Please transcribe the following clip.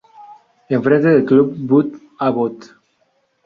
En frente del Club Bud Abbott.